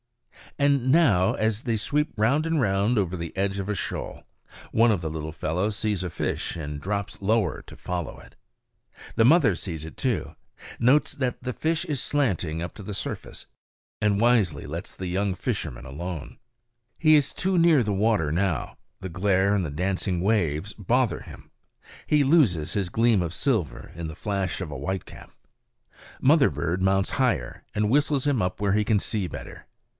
And now as they sweep round and round over the edge of a shoal, one of the little fellows sees a fish and drops lower to follow it. The mother sees it too; notes that the fish is slanting up to the surface, and wisely lets the young fisherman alone. He is too near the water now; the glare and the dancing waves bother him; he loses his gleam of silver in the flash of a whitecap. Mother bird mounts higher, and whistles him up where he can see better.